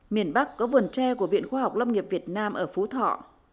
miền bắc có vườn tre của viện khoa học lâm nghiệp việt nam ở phú thọ